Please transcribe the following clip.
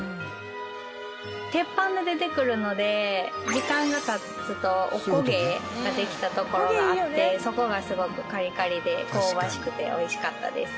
鉄板で出てくるので時間が経つとおこげができたところがあってそこがすごくカリカリで香ばしくて美味しかったです。